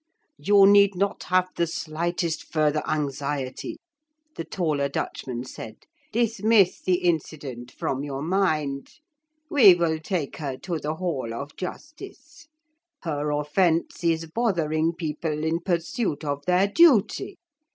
'You need not have the slightest further anxiety,' the taller Dutchman said; 'dismiss the incident from your mind. We will take her to the hall of justice. Her offence is bothering people in pursuit of their duty.